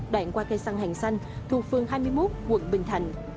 đoạn qua cây săn hàng xanh thuộc phương hai mươi một quận bình thành